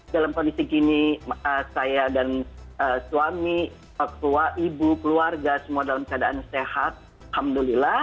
dalam kondisi kini saya dan suami ibu keluarga semua dalam keadaan sehat alhamdulillah